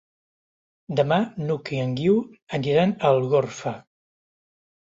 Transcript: Demà n'Hug i en Guiu aniran a Algorfa.